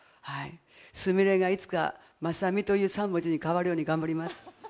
すみれがいつかまさみという三文字に変わるように頑張ります。